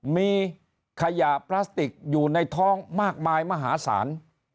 มีขยะพลาสติกอยู่ในท้องมากมายมหาศาล